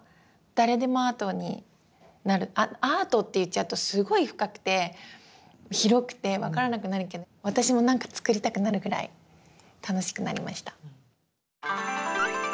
アートって言っちゃうとすごい深くて広くて分からなくなるけど私も何か作りたくなるぐらい楽しくなりました。